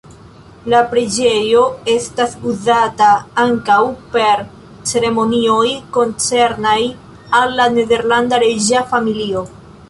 La preĝejo estas uzata ankaŭ por ceremonioj koncernaj al la nederlanda reĝa familio.